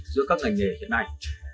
giữa các ngành nghề hiện nay